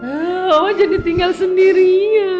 oma jadi tinggal sendirinya